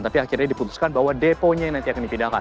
tapi akhirnya diputuskan bahwa deponya yang nanti akan dipindahkan